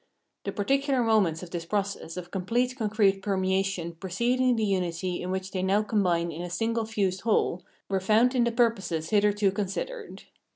The particular moments of this process of complete concrete permeation preceding the unity in which they now com bine in a single fused whole, were found in the purposes hitherto considered.